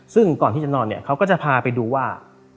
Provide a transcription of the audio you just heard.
ซึ่งก่อนที่จะนอนเนี่ยเขาก็จะพาไปดูว่า